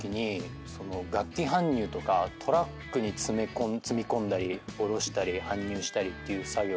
トラックに積み込んだり降ろしたり搬入したりっていう作業。